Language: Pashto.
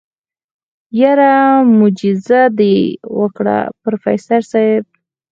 يره موجيزه دې وکړه پروفيسر صيب.